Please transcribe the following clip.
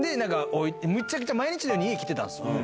めちゃくちゃ毎日のように家来てたんですよ。